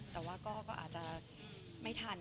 แต่ว่าก็อาจจะไม่ทัน